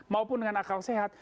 maupun dengan akal sehat